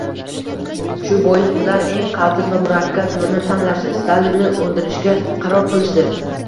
Shu bois ular eng qaltis va murakkab yoʻlni tanlashdi: Stalinni oʻldirishga qaror qilishdi!